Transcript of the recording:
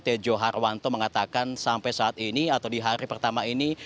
tejo harwanto mengatakan sampai saat ini atau di hari pertama ini